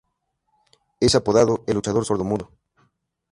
Es apodado "el luchador sordomudo".